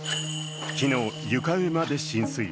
昨日、床上まで浸水。